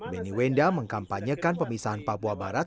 beni wenda mengkampanyekan pemisahan papua barat